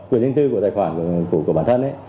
quyền dân tư của tài khoản của bản thân